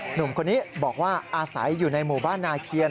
หนุ่มคนนี้บอกว่าอาศัยอยู่ในหมู่บ้านนาเคียน